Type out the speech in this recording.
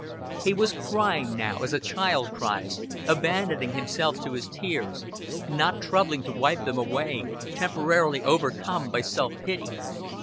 He was crying now as a child cries, abandoning himself to his tears, not troubling to wipe them away, temporarily overcome by self pity.